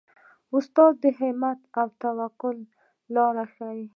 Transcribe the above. استاد د همت او توکل لاره ښيي.